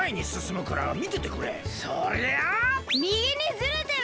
みぎにずれてる？